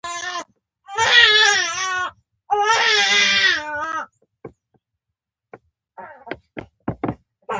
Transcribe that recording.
یوه ترخه مُسکا یې وکړه.